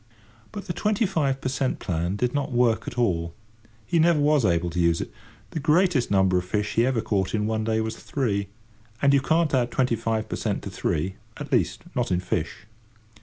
But the twenty five per cent. plan did not work well at all. He never was able to use it. The greatest number of fish he ever caught in one day was three, and you can't add twenty five per cent. to three—at least, not in fish.